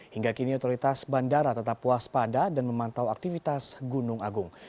hingga kini otoritas bandara tetap puas pada dan memantau aktivitas gunung agung